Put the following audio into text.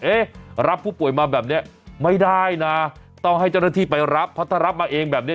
เอ๊ะรับผู้ป่วยมาแบบนี้ไม่ได้นะต้องให้เจ้าหน้าที่ไปรับเพราะถ้ารับมาเองแบบนี้